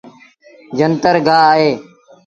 جنتر گآه اهي۔